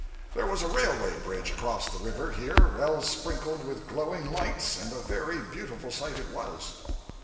There was a railway bridge across the river here well sprinkled with glowing lights, and a very beautiful sight it was.